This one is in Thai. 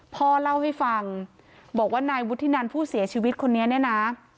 พ่อเล่าให้ฟังบอกว่านายวุฒินันผู้เสียชีวิตคนนี้เนี่ยนะ